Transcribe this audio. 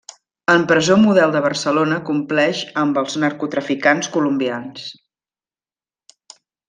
En presó model de Barcelona compleix amb els narcotraficants colombians.